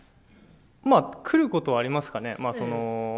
来ることはありますかね。